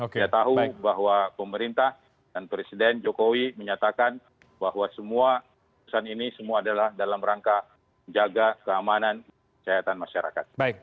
kita tahu bahwa pemerintah dan presiden jokowi menyatakan bahwa semua keputusan ini semua adalah dalam rangka menjaga keamanan kesehatan masyarakat